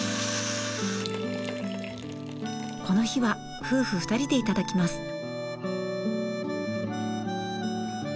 この日は夫婦２人で頂きます。